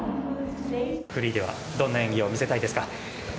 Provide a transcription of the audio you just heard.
フリーではどんな演技を見せたいですか？